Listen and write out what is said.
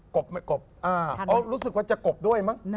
กบเขารู้สึกว่าจะกบด้วยมั้ง